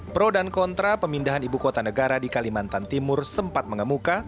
pro dan kontra pemindahan ibu kota negara di kalimantan timur sempat mengemuka